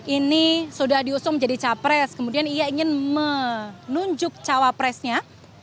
ini sudah diusung menjadi capres kemudian ia ingin menunjuk cawapresnya